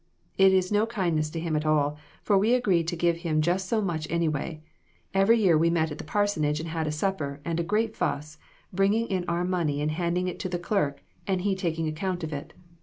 It is no kindness to him at all, for we agreed to give him just so much, anyway; every year we met at the parsonage and had a supper and a great fuss, bringing in our money and handing it to the clerk, and he taking account of it.